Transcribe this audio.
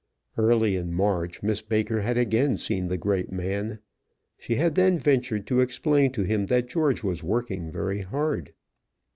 Early in March, Miss Baker had again seen the great man. She had then ventured to explain to him that George was working very hard.